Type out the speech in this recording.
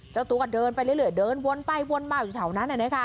เจ้าตัวก็เดินไปเรื่อยเดินวนไปวนมาอยู่แถวนั้น